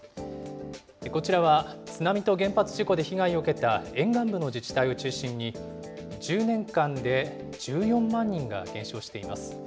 こちらは津波と原発事故で被害を受けた沿岸部の自治体を中心に、１０年間で１４万人が減少しています。